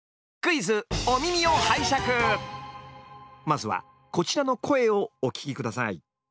まずはこちらの声をお聞きください。